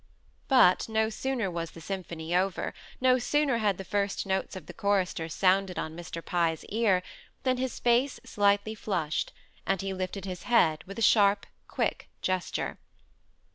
But no sooner was the symphony over, no sooner had the first notes of the chorister sounded on Mr. Pye's ear, than his face slightly flushed, and he lifted his head with a sharp, quick gesture.